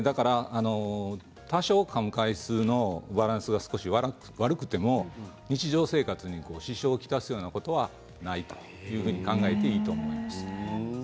多少、かむ回数のバランスが悪くても日常生活に支障を来すようなことはないと考えていいと思います。